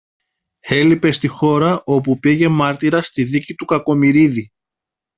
Έλειπε στη χώρα όπου πήγε μάρτυρας στη δίκη του Κακομοιρίδη